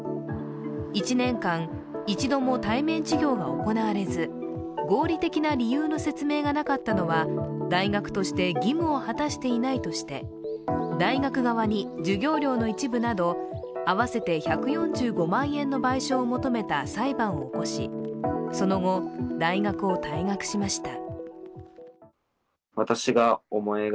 １年間、一度も対面授業が行われず合理的な理由の説明がなかったのは大学として義務を果たしていないとして大学側に授業料の一部など合わせて１４５万円の賠償を求めた裁判を起こし、その後、大学を退学しました。